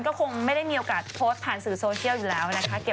ก็คงไม่ได้มีโอกาสโพสต์ผ่านสื่อโซเชียลอยู่แล้วนะคะ